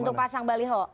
untuk pasang baliho